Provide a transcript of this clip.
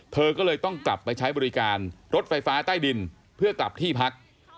เธอก็เลยต้องกลับไปใช้บริการรถไฟฟ้าใต้ดินเพื่อกลับที่พัก